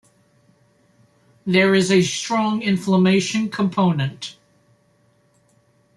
There is a strong inflammation component.